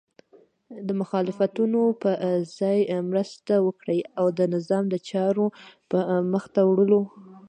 د مخالفتونو په ځای مرسته وکړئ او د نظام د چارو په مخته وړلو